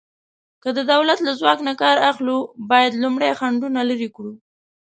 که د دولت له ځواک نه کار اخلو، باید لومړی خنډونه لرې کړو.